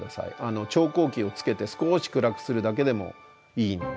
調光器をつけて少し暗くするだけでもいいので。